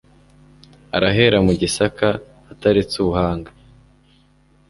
arahera mu gisaka ataretse u buhanga